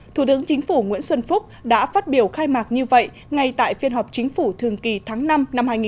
thủ tướng chính phủ nguyễn xuân phúc đã phát biểu khai mạc như vậy ngay tại phiên họp chính phủ thường kỳ tháng năm năm hai nghìn một mươi chín